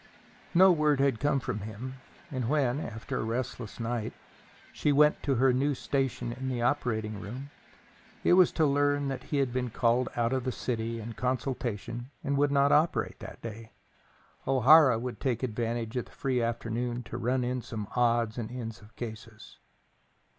No word had come from him, and when, after a restless night, she went to her new station in the operating room, it was to learn that he had been called out of the city in consultation and would not operate that day. O'Hara would take advantage of the free afternoon to run in some odds and ends of cases.